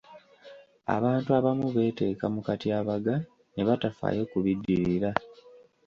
Abantu abamu beeteeka mu katyabaga ne batafaayo ku biddirira.